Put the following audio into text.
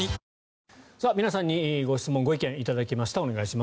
皆さんにご質問・ご意見を頂きました。